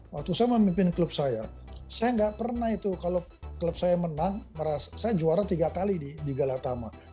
waktu saya memimpin klub saya saya nggak pernah itu kalau klub saya menang saya juara tiga kali di galatama